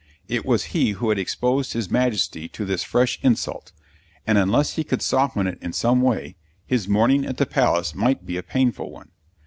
It was he who had exposed his Majesty to this fresh insult; and, unless he could soften it in some way, his morning at the Palace might be a painful one.